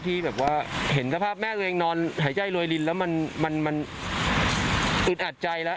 ที่แบบว่าเห็นสภาพแม่ตัวเองนอนหายใจรวยลินแล้วมันอึดอัดใจแล้ว